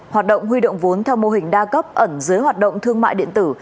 hoạt động huy động vốn theo mô hình đa cấp ẩn dưới hoạt động thương mại điện tử